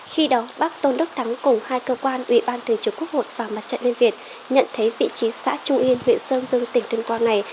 khi đó bác tôn đức thắng cùng hai cơ quan ủy ban thường trực quốc hội và mặt trận liên việt nhận thấy vị trí xã trung yên huyện sơn dương tỉnh tuyên quang này